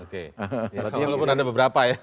kalau pun ada beberapa ya